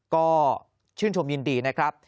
ก็ชื่นชมยินดีนะครับ